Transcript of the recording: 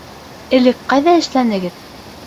Элек ҡайҙа эшләнегеҙ?